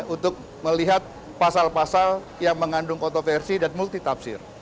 untuk melihat pasal pasal yang mengandung kontroversi dan multitafsir